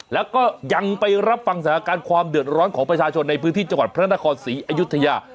แล้วก็ยังไปรับฟังสถานการณ์ความเดือดร้อนของประชาชนในพื้นที่จังหวัดพระนครศรีอยุธยา